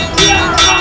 husti prabu datang